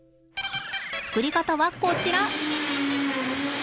作り方はこちら！